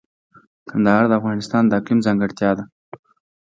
کندهار د افغانستان د اقلیم ځانګړتیا ده.